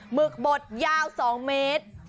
หึกบดยาว๒เมตร